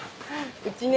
うちね